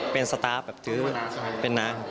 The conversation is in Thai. เป็นสตาร์ฟเป็นน้า